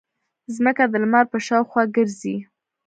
ځمکه د لمر په شاوخوا ګرځي.